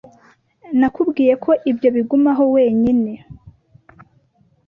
Nakubwiye ko ibyo bigumaho wenyine.